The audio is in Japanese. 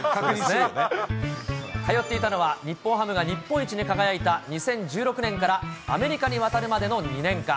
通っていたのは、日本ハムが日本一に輝いた２０１６年からアメリカに渡るまでの２年間。